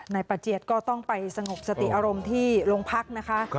นายประเจียดก็ต้องไปสงบสติอารมณ์ที่โรงพักนะคะ